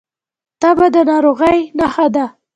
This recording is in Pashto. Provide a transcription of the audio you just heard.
تبه د ناروغۍ نښه ده